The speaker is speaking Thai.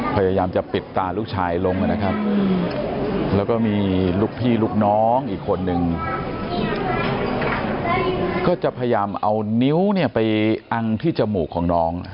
พยายามจะปิดตาลูกชายลงนะครับแล้วก็มีลูกพี่ลูกน้องอีกคนนึงก็จะพยายามเอานิ้วเนี่ยไปอังที่จมูกของน้อง